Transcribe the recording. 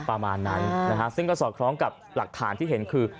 ประมาณนั้นนะฮะซึ่งก็สอดคล้องกับหลักฐานที่เห็นคือ